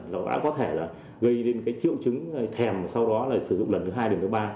nó đã có thể là gây đến cái triệu chứng thèm sau đó là sử dụng lần thứ hai lần thứ ba